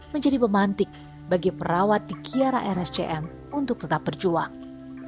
menjadi pemantik bagi perawat di kiara rscm untuk tetap berjuang